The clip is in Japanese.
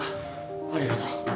ありがとう。